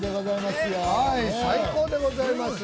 最高でございます。